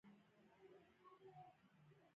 فاریاب د افغان ماشومانو د لوبو موضوع ده.